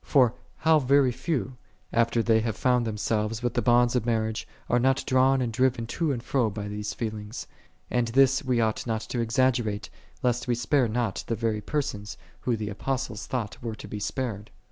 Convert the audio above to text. For how very few, after they have bound them selves with the bonds of marriage, are not drawn and driven to and fro by these feel ings ? And this we ought not to exaggerate, lest we spare not the very persons, who the Apostle thought were to be spared.